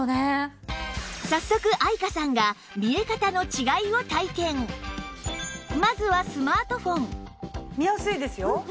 早速愛華さんがまずはスマートフォン見やすいですよ。